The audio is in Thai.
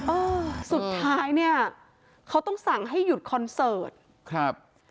เออสุดท้ายเนี่ยเขาต้องสั่งให้หยุดคอนเสิร์ตครับ